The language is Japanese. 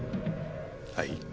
はい？